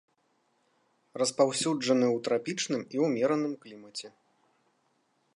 Распаўсюджаны ў трапічным і ўмераным клімаце.